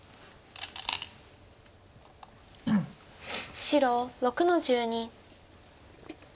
白６の十二。